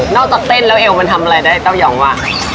จากเต้นแล้วเอวมันทำอะไรได้เต้ายองว่า